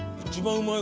うまい。